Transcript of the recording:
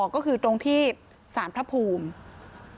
ก็คือตรงที่สารพระภูมิ